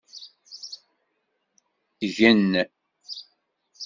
Gen.